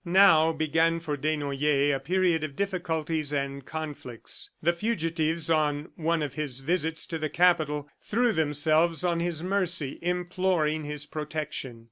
Now began for Desnoyers a period of difficulties and conflicts. The fugitives, on one of his visits to the Capital, threw themselves on his mercy, imploring his protection.